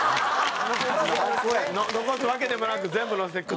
残すわけでもなく全部のせて食った？